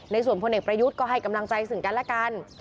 ในส่วนพลเนกประยุทธ์ก็ให้กำลังใจจึงกันแล้วกัน